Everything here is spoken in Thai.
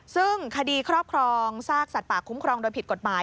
ซึ่งคดีครอบครองซากสัตว์ป่าคุ้มครองโดยผิดกฎหมาย